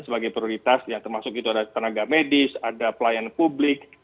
sebagai prioritas yang termasuk itu ada tenaga medis ada pelayanan publik